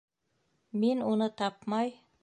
Мин уны тапмай...